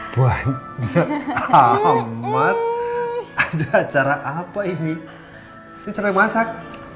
banyak amat ada acara apa ini saya capek masak